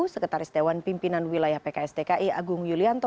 sekretaris dewan pimpinan wilayah pks dki agung yulianto